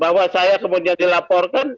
bahwa saya kemudian dilaporkan